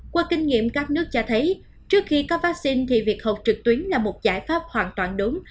qua kinh nghiệm các nước cho thấy trước khi có vaccine thì việc học trực tuyến là một giải pháp hoàn toàn đúng